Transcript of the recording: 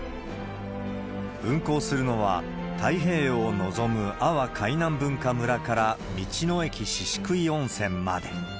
運行するのは、太平洋を望む阿波海南文化村から道の駅宍喰温泉まで。